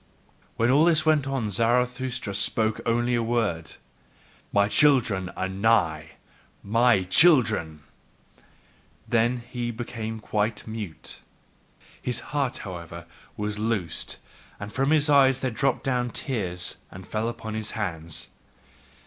When all this went on Zarathustra spake only a word: "MY CHILDREN ARE NIGH, MY CHILDREN" , then he became quite mute. His heart, however, was loosed, and from his eyes there dropped down tears and fell upon his hands.